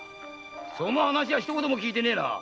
その話は一言も聞いてねぇな。